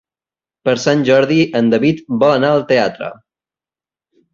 Per Sant Jordi en David vol anar al teatre.